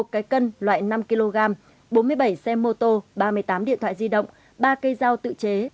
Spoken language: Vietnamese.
một cái cân loại năm kg bốn mươi bảy xe mô tô ba mươi tám điện thoại di động ba cây dao tự chế